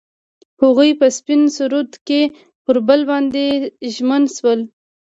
هغوی په سپین سرود کې پر بل باندې ژمن شول.